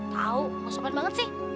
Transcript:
tau sopan banget sih